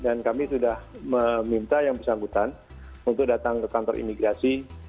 dan kami sudah meminta yang bersangkutan untuk datang ke kantor imigrasi denpasar